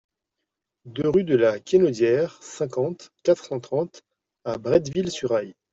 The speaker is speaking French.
deux rue de la Quenaudière, cinquante, quatre cent trente à Bretteville-sur-Ay